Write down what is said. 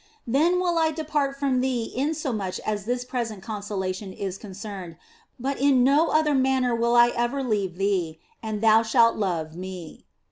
Then will I depart from thee in so far as this present con solation is concerned, but in no other manner will I ever leave thee, and thou shalt love Me."